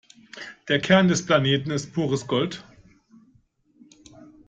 Der Kern des Planeten ist pures Gold.